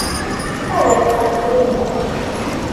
Ad t-texneq Linda.